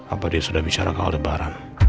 apa dia sudah bicara ke al debaran